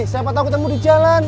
siapa tahu ketemu di jalan